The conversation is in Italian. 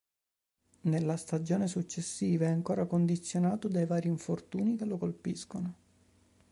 Nella stagione successiva è ancora condizionato dai vari infortuni che lo colpiscono.